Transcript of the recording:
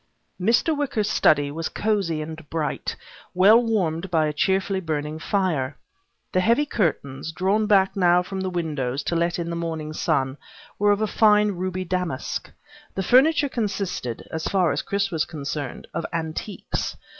Mr. Wicker's study was cosy and bright, well warmed by a cheerfully burning fire. The heavy curtains, drawn back now from the windows to let in the morning sun, were of a fine ruby damask. The furniture consisted, as far as Chris was concerned, of antiques.